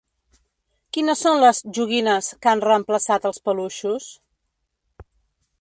Quines són les ‘joguines’ que han reemplaçat els peluixos?